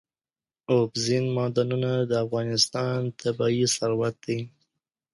اوبزین معدنونه د افغانستان طبعي ثروت دی.